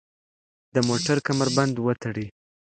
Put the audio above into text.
د موټر کمربند وتړئ.